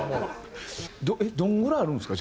どのぐらいあるんですか？